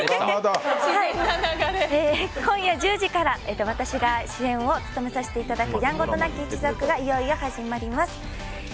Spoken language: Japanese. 今夜１０時から私が主演を務めさせていただく「やんごとなき一族」がいよいよ始まります。